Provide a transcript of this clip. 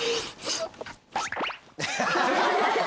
アハハハ！